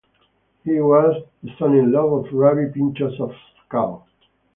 He was the son-in-law of Rabbi Pinchos of Kalk.